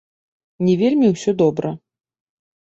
Не вельмі ўсё добра.